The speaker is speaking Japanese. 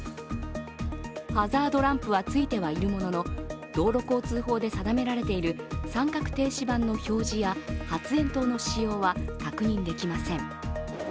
ハザードランプはついてはいるものの道路交通法で定められている三角停止版の表示や発煙筒の使用は確認できません。